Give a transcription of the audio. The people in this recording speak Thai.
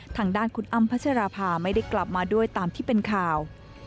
ทางด้านคุณอ้ำพัชราภาไม่ได้กลับมาด้วยตามที่เป็นข่าว